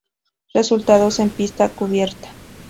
Resultados en pista cubierta.